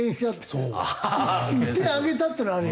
１点あげたっていうのはある。